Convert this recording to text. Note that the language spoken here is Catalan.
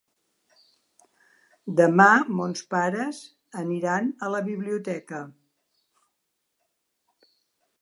Demà mons pares aniran a la biblioteca.